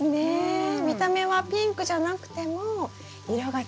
見た目はピンクじゃなくても色がつくんですね。